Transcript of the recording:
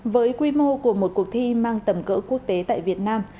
với quy mô của một cuộc thi mang tầm cỡ quốc tế tại việt nam